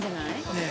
「ねえ。